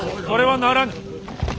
それはならぬ。